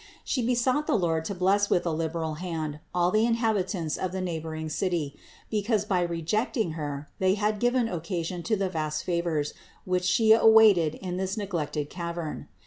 She besought the Lord to bless with a liberal hand all the inhabitants of the neighboring city, because by rejecting Her they had given occasion to the vast favors, which She awaited in this neglected cavern.